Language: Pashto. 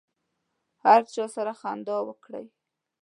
هر چا سره خندا وکړئ.